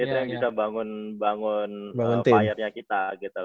itu yang bisa bangun fire nya kita gitu